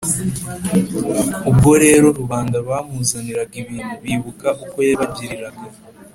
ubwo rero rubanda bamuzaniraga ibintu bibuka uko yabagiriraga,